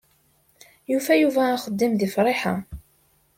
Yufa Yuba axeddim deg Friḥa.